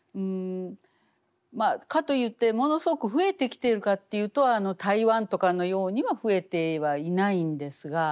まあかといってものすごく増えてきているかというと台湾とかのようには増えてはいないんですが。